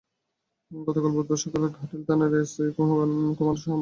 গতকাল বুধবার সকালে ঘাটাইল থানার এসআই খোকন কুমার সাহা মামলা দুটি করেন।